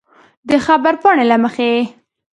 د خبرپاڼې له مخې